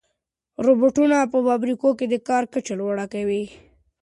روبوټونه په فابریکو کې د کار کچه لوړه کوي.